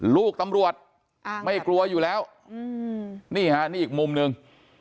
ลูกตำรวจไม่กลัวอยู่แล้วนี่ฮะนี่อีกมุมหนึ่ง